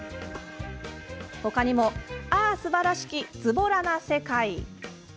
ほかにも「ああ、素晴らしき“ズボラな世界”」。